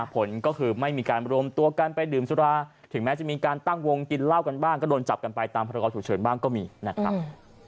ผลก็คือไม่มีการรวมตัวกันไปดื่มสุราถึงแม้จะมีการตั้งวงกินเหล้ากันบ้างก็โดนจับกันไปตามพรกรฉุกเฉินบ้างก็มีนะครับ